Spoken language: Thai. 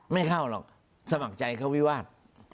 ไม่เข้าหรอกสมัครใจเข้าวิวาส